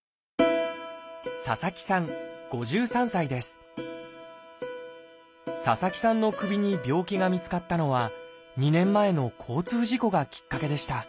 佐々木さんの首に病気が見つかったのは２年前の交通事故がきっかけでした。